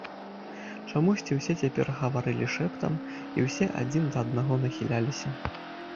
Чамусьці ўсе цяпер гаварылі шэптам і ўсе адзін да аднаго нахіляліся.